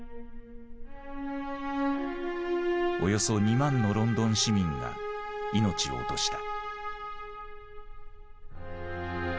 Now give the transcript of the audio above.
およそ２万のロンドン市民が命を落とした。